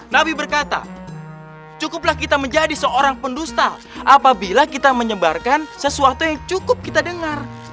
nabi berkata cukuplah kita menjadi seorang pendusta apabila kita menyebarkan sesuatu yang cukup kita dengar